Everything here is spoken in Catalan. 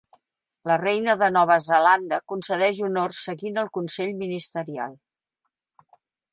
La Reina de Nova Zelanda concedeix honors seguint el consell ministerial.